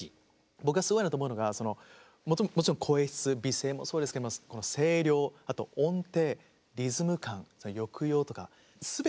僕がすごいなと思うのがもちろん声質美声もそうですけども声量あと音程リズム感抑揚とか全てができる。